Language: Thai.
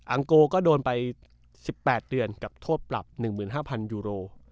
ังโกก็โดนไป๑๘เดือนกับโทษปรับ๑๕๐๐ยูโร